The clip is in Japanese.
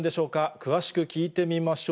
詳しく聞いてみましょう。